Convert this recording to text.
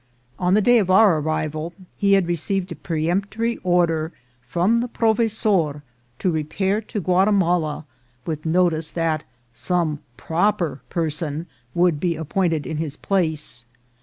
On the day of our arrival he had received a peremptory order from the provesor to repair to Gua timala, with notice that " some proper person" would be appointed in his place.